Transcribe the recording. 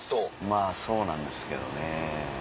まぁそうなんですけどね。